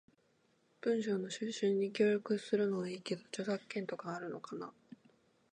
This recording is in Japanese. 文章の収集に協力するのはいいけど、著作権とかあるのかな？